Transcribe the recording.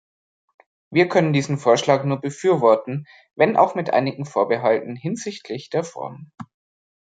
Wir können diesen Vorschlag nur befürworten, wenn auch mit einigen Vorbehalten hinsichtlich der Form.